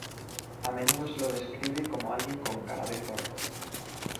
A menudo se lo describe como alguien con "cara de zorro".